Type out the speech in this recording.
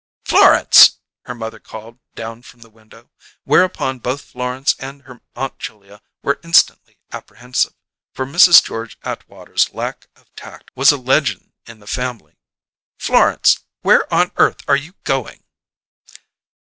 "Florence!" her mother called down from the window: whereupon both Florence and her Aunt Julia were instantly apprehensive, for Mrs. George Atwater's lack of tact was a legend in the family. "Florence! Where on earth are you going?"